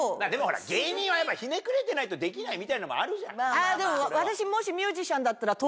芸人はひねくれてないとできないみたいなのもあるじゃん。